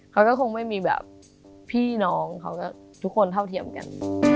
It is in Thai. เขาก็คงไม่มีแบบพี่น้องเขาก็ทุกคนเท่าเทียมกัน